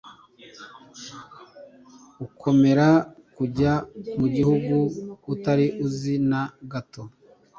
ukemera kujya mu gihugu utari uzi na gato